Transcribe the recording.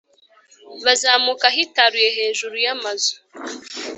bazamuka ahitaruye hejuru y’amazu?